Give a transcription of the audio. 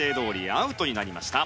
アウトになりました。